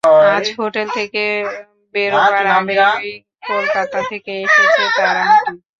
আজ হোটেল থেকে বেরোবার আগেই কলকাতা থেকে এসেছে তার আংটি।